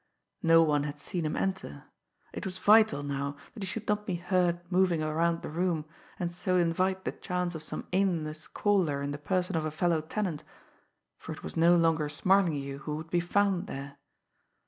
No one had seen him enter it was vital now that he should not be heard moving around the room, and so invite the chance of some aimless caller in the person of a fellow tenant, for it was no longer Smarlinghue who would be found there!